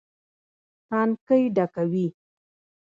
ټانکۍ ډکوي.